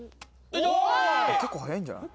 結構速いんじゃない？